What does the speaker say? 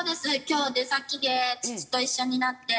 今日出先で父と一緒になって。